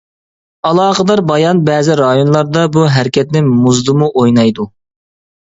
ئالاقىدار بايان بەزى رايونلاردا بۇ ھەرىكەتنى مۇزدىمۇ ئوينايدۇ.